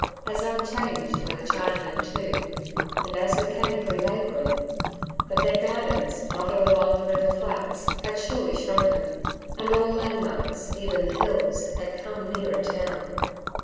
As unchanged were the Chinamen, too, and as mechanically labouring, but their gardens, dotted along the river flats, had surely shrunken, and all landmarks, even the hills, had come nearer town.